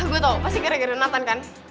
gue tau pasti gara gara notan kan